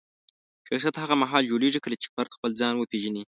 شخصیت هغه مهال جوړېږي کله چې فرد خپل ځان وپیژني.